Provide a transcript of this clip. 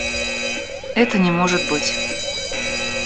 Это не может быть.